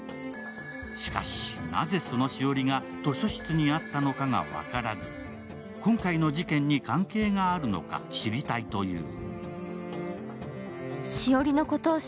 しかし、なぜその栞が図書室にあったのかが分からず、今回の事件に関係があるのか知りたいという。